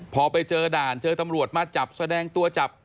พอไปเจอด่านเจอตำรวจมาจับแสดงตัวจับ